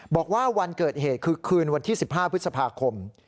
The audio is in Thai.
บอกว่าวันเกิดเหตุคือคืนวันที่๑๕พฤษภาคม